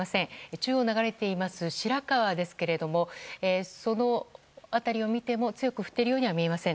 中央を流れています白川ですがその辺りを見ても強く降っているようには見えません。